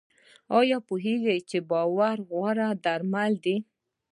ایا پوهیږئ چې باور غوره درمل دی؟